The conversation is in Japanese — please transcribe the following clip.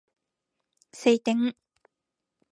晴天